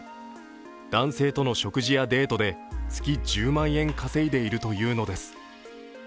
男性との食事やデートで月１０万円稼いでいるというのです。